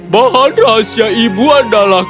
bahan rahasia ibu adalah